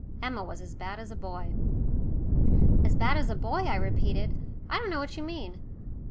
Emma was as bad as a boy. "As bad as a boy," I repeated. "I don't know what you mean."